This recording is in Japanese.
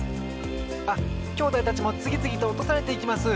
あっきょうだいたちもつぎつぎとおとされていきます！